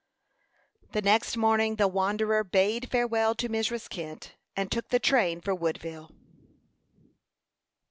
The next morning the wanderer bade farewell to Mrs. Kent, and took the train for Woodville.